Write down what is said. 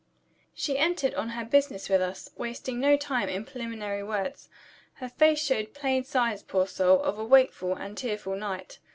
She entered on her business with us, wasting no time in preliminary words. Her face showed plain signs, poor soul, of a wakeful and tearful night.